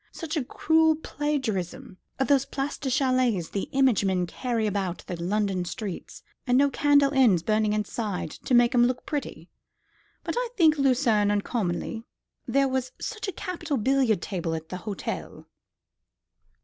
such a cruel plagiarism of those plaster châlets the image men carry about the London streets, and no candle ends burning inside to make 'em look pretty. But I liked Lucerne uncommonly, there was such a capital billiard table at the hotel."